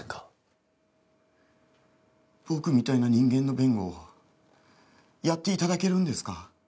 僕みたいな人間の弁護をやって頂けるんですか？